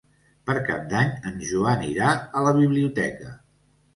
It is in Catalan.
Per Cap d'Any en Joan irà a la biblioteca.